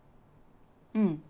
うん。